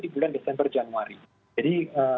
di bulan desember januari jadi